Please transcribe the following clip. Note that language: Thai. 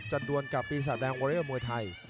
จัดดวนกับปีศาสตร์แดงวอเรียลมวยไทย